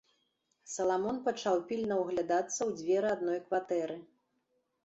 Саламон пачаў пільна ўглядацца ў дзверы адной кватэры.